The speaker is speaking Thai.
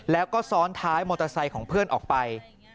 แล้วก็ซ้อนท้ายมอเตอร์ไซค์ของเพื่อนออกไป